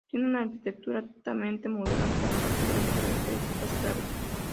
Tiene una arquitectura altamente modular con una serie de características clave.